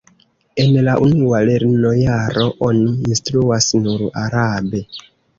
En la unua lernojaro oni instruas nur arabe.